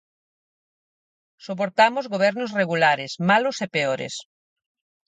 Soportamos gobernos regulares, malos e peores.